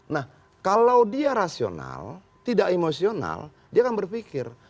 nah kalau dia rasional tidak emosional dia akan berpikir